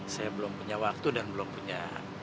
saya belum punya waktu dan belum punya